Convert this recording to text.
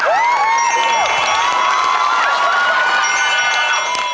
โอ้โห